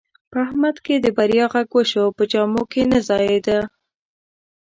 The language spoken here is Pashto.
په احمد چې د بریا غږ وشو، په جامو کې نه ځایېدا.